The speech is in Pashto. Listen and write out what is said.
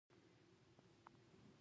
ولې دا انقلاب بوشونګانو وکړ نه لېلیانو